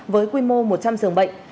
với quy mô một trăm linh dường bệnh